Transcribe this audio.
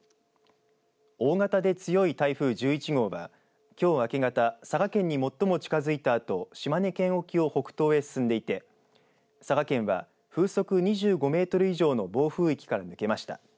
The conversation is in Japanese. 大型で強い台風１１号はきょう明け方佐賀県に最も近づいたあと島根県沖を北東へ進んでいて佐賀県は風速２５メートル以上の暴風域から抜けました。